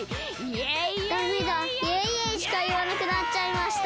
だめだイエイイエイしかいわなくなっちゃいました。